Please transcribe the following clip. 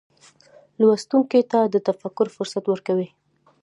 لوستونکي ته د تفکر فرصت ورکوي.